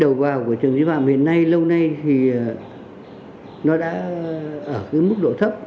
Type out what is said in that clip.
đầu vào của trường vi phạm hiện nay lâu nay thì nó đã ở cái mức độ thấp